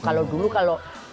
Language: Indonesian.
kalau dulu kalau